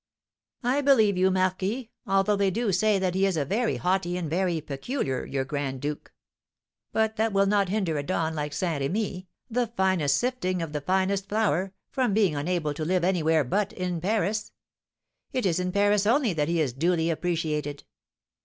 "I believe you, marquis, although they do say that he is very haughty and very peculiar, your grand duke; but that will not hinder a don like Saint Remy, the finest sifting of the finest flour, from being unable to live anywhere but in Paris. It is in Paris only that he is duly appreciated."